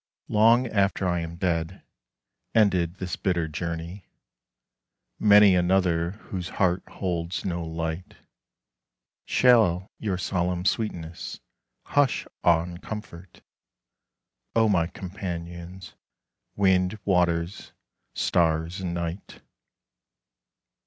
Long after I am dead, ended this bitter journey, Many another whose heart holds no light Shall your solemn sweetness, hush, awe, and comfort, O my companions, Wind, Waters, Stars, and Night.